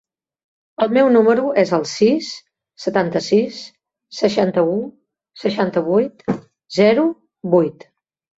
El meu número es el sis, setanta-sis, seixanta-u, seixanta-vuit, zero, vuit.